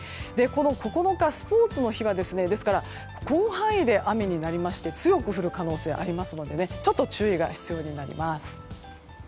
９日、スポーツの日は広範囲で雨になりまして強く降る可能性がありますのでちょっと注意が必要になります。